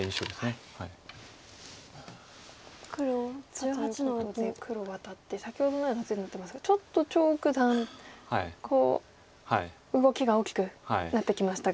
さあということで黒ワタって先ほどのような図になってますがちょっと張九段動きが大きくなってきましたが。